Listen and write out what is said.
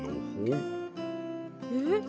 えっ？